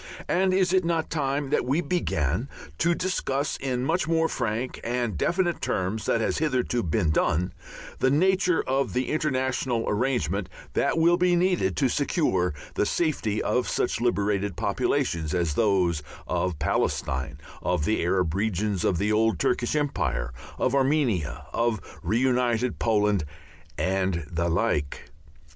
And is it not time that we began to discuss in much more frank and definite terms than has hitherto been done, the nature of the international arrangement that will be needed to secure the safety of such liberated populations as those of Palestine, of the Arab regions of the old Turkish empire, of Armenia, of reunited Poland, and the like?